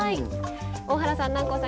大原さん南光さん